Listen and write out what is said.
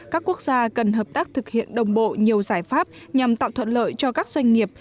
các quốc gia cần hợp tác thực hiện đồng bộ nhiều giải pháp nhằm tạo thuận lợi cho các doanh nghiệp